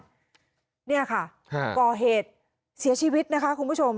เนี่ยค่ะก่อเหตุเสียชีวิตนะคะคุณผู้ชม